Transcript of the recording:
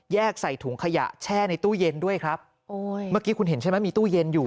ใส่ถุงขยะแช่ในตู้เย็นด้วยครับโอ้ยเมื่อกี้คุณเห็นใช่ไหมมีตู้เย็นอยู่